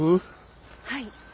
はい。